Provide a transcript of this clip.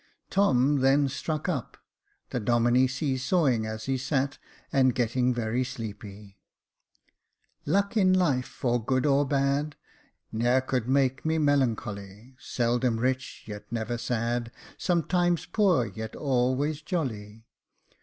Tom then struck up, the Domine see sawing as he sat^ and getting very sleepy —" Luck in life, or good or bad, Ne'er could make me melancholy ; Seldom rich, yet never sad, Sometimes poor, yet always jolly.